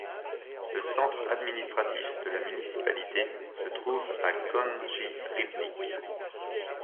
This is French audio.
Le centre administratif de la municipalité se trouve à Gornji Ribnik.